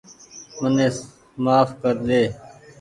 مني مهاڦ ڪر ۮي